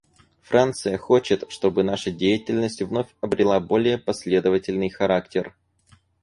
Франция хочет, чтобы наша деятельность вновь обрела более последовательный характер.